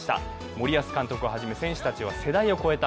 森保監督をはじめ選手たちは世代を超えた